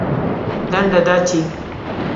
لنډه دا چې